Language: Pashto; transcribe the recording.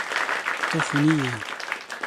ته خوني يې.